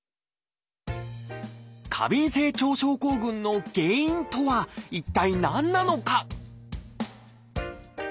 過敏性腸症候群の原因とは一体何なのか？